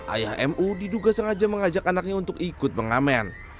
ayah mu diduga sengaja mengajak anaknya untuk ikut mengamen